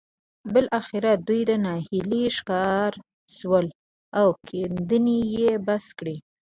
بالاخره دوی د ناهيلۍ ښکار شول او کيندنې يې بس کړې.